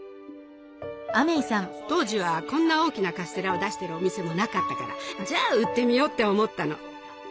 当時はこんな大きなカステラを出してるお店もなかったからじゃあ売ってみようって思ったの。